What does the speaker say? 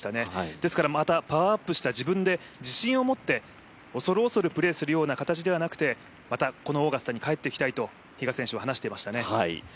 ですから、またパワーアップした自分で自信を持って恐る恐るプレーするような形ではなくてまたこのオーガスタに帰ってきたいと比嘉選手は話していましたね。